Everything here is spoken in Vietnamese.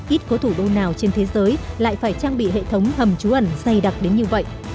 ít có thủ đô nào trên thế giới lại phải trang bị hệ thống hầm trú ẩn dày đặc đến như vậy